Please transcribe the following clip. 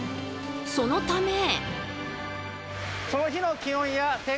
そのため。